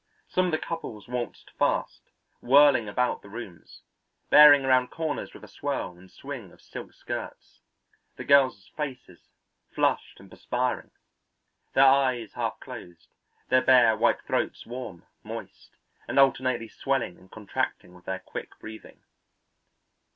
Some of the couples waltzed fast, whirling about the rooms, bearing around corners with a swirl and swing of silk skirts, the girls' faces flushed and perspiring, their eyes half closed, their bare, white throats warm, moist, and alternately swelling and contracting with their quick breathing.